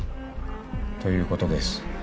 ということです。